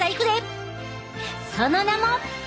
その名も！